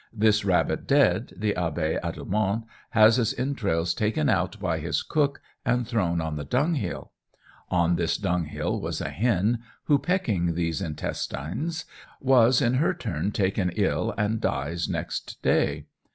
This rabbit dead, the Abbé Adelmonte has its entrails taken out by his cook and thrown on the dunghill; on this dunghill was a hen, who, pecking these intestines, was, in her turn, taken ill, and dies next day.